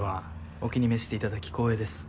お気に召していただき光栄です。